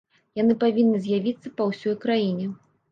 Яны павінны з'явіцца па ўсёй краіне.